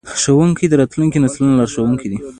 ښوونکي د راتلونکو نسلونو لارښوونکي دي.